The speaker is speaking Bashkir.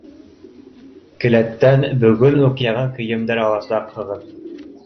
Келәттән бөгөн үк яңы кейемдәр аласаҡһығыҙ.